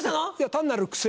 単なる癖。